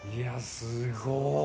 すごい！